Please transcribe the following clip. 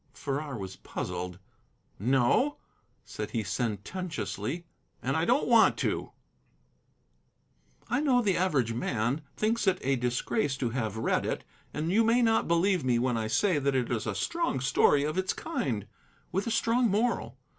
Farrar was puzzled. "No," said he sententiously, "and I don't want to." "I know the average man thinks it a disgrace to have read it. And you may not believe me when I say that it is a strong story of its kind, with a strong moral.